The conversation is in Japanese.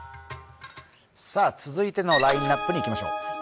続いてのラインナップにいきましょう。